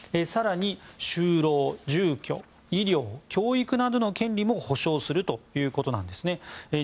更に、就労・住居・医療教育などの権利も保障するということなんです。